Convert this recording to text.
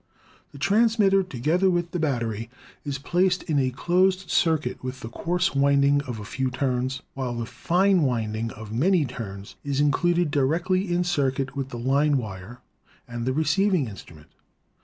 The transmitter, together with the battery, is placed in a closed circuit with the coarse winding of a few turns, while the fine winding of many turns is included directly in circuit with the line wire and the receiving instrument.